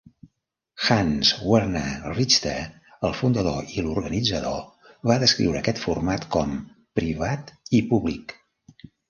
Hans Werner Richter, el fundador i l'organitzador, va descriure aquest format com "privat i públic".